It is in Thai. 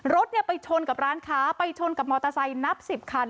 รถไปชนกับร้านค้าไปชนกับมอเตอร์ไซค์นับ๑๐คัน